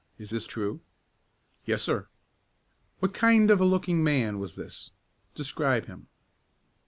Is this true?" "Yes, sir." "What kind of a looking man was this? Describe him."